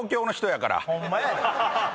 ホンマやで。